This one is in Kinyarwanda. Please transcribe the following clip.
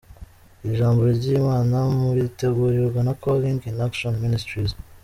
Iri Jambo ry’Imana muritegurirwa na Calling in Action Ministries.